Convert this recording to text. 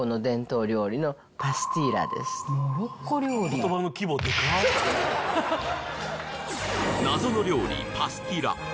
それが謎の料理パスティラ